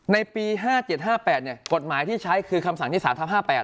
ในปี๕๗๕๘เนี่ยกฎหมายที่ใช้คือคำสั่งที่๓ทับ๕๘